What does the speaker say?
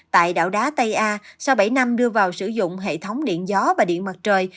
tại đảo đá tây a sau bảy năm đưa vào sử dụng hệ thống điện gió và điện mặt trời